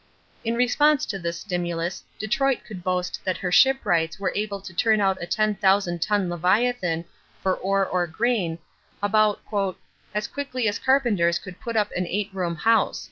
In response to this stimulus Detroit could boast that her shipwrights were able to turn out a ten thousand ton Leviathan for ore or grain about "as quickly as carpenters could put up an eight room house."